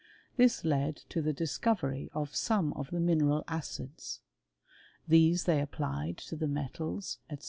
This led to the discovery of some of the mineral acids. These they^ applied to the metals, &c.